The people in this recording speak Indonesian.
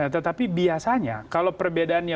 tetapi biasanya kalau perbedaannya